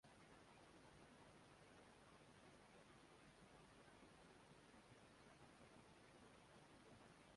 Mwisho huo ulipanda tayari mbegu za vita kuu ya pili ya dunia